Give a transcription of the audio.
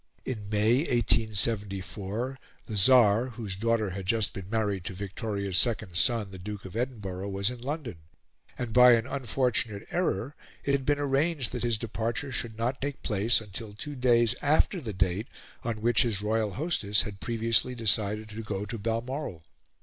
In May, 1874, the Tsar, whose daughter had just been married to Victoria's second son, the Duke of Edinburgh, was in London, and, by an unfortunate error, it had been arranged that his departure should not take place until two days after the date on which his royal hostess had previously decided to go to Balmoral.